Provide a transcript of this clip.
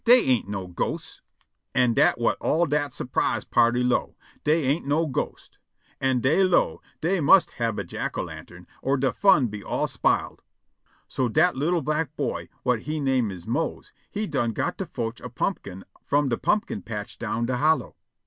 "Dey ain't no ghosts." An' dat whut all dat s'prise party 'low: dey ain't no ghosts. An' dey 'low dey mus' hab a jack o' lantern or de fun all sp'iled. So dat li'l' black boy whut he name is Mose he done got to fotch a pumpkin from de pumpkin patch down de hollow.